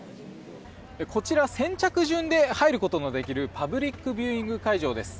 こちら先着順で入ることのできるパブリックビューイング会場です